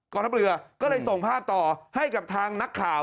ทัพเรือก็เลยส่งภาพต่อให้กับทางนักข่าว